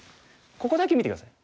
ここだけ見て下さい。